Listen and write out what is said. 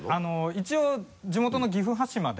一応地元の岐阜羽島で。